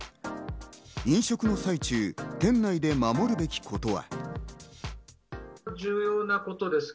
飲食の最中、店内で守るべきことは。